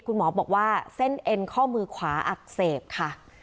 คุณหมอบอกว่าเส้นเอ็นข้อมือขวาอักเสบค่ะ